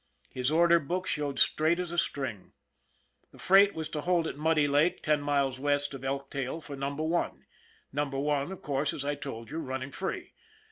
His order book showed straight as a string. The freight was to hold at Muddy Lake, ten miles west of Elktail, for Number One. Number One, of course, as I told you, running free.